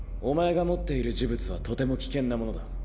お前が持っている呪物はとても危険なものだ。